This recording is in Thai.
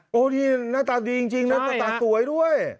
โอ้โหนี่หน้าตาดีจริงนะหน้าตาสวยด้วย